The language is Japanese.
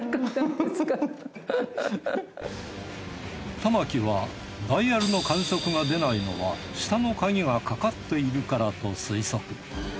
玉置はダイヤルの感触が出ないのは下の鍵がかかっているからと推測。